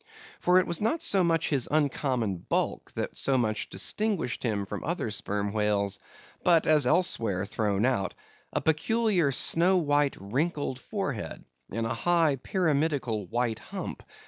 For, it was not so much his uncommon bulk that so much distinguished him from other sperm whales, but, as was elsewhere thrown out—a peculiar snow white wrinkled forehead, and a high, pyramidical white hump.